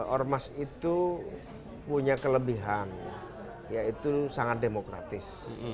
ormas itu punya kelebihan yaitu sangat demokratis